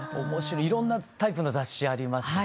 いろんなタイプの雑誌ありますし。